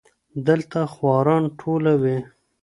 دلته خواران ټوله وي